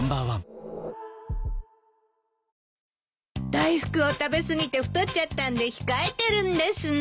大福を食べ過ぎて太っちゃったんで控えてるんですの。